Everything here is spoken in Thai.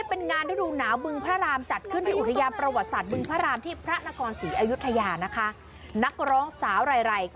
เอาหนิพวงมาลัยมาพวงมาลัยมาจะคล้องละ